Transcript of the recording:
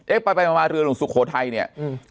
ไปไปมาเรือหลวงสุโขทัยเนี่ยอืม